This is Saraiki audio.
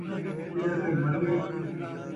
تیݙا کئی مر ڳئے ؟